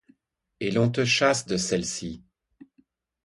Et l’on te chasse de celle-ci.